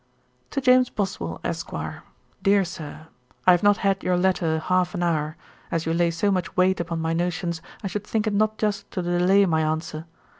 'To JAMES BOSWELL, ESQ. 'DEAR SIR, 'I have not had your letter half an hour; as you lay so much weight upon my notions, I should think it not just to delay my answer.